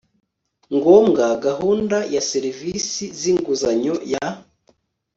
ngombwa gahunda ya serivisi z inguzanyo ya